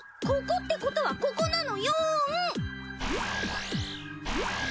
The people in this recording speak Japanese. ここってことはここなのよん！